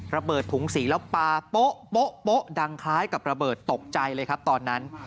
ระเบิดถุงสีแล้วปลาป๊อป๊อป๊อดังคล้ายกับระเบิดตกใจเลยครับตอนนั้น